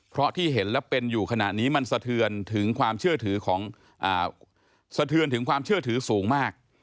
เพราะที่เห็นและเป็นอยู่ขนาดนี้มันเสทือนถึงความเชื่อถือสูงมาก